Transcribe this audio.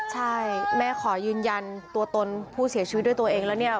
ใช่แม่ขอยืนยันตัวตนผู้เสียชีวิตด้วยตัวเองแล้วเนี่ย